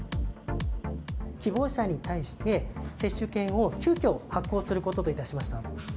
希望者に対して、接種券を急きょ、発行することといたしました。